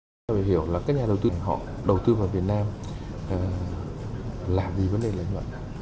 chúng ta phải hiểu là các nhà đầu tư của họ đầu tư vào việt nam là vì vấn đề lợi nhuận